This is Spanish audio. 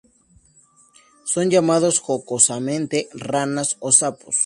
Son llamados jocosamente "ranas" o "sapos".